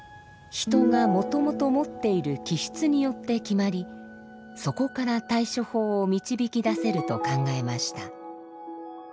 人がもともと持っている気質によって決まりそこから対処法を導き出せると考えました。